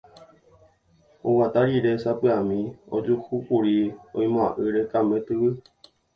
oguata rire sapy'ami ojuhúkuri oimo'ã'ỹre Kame tyvy.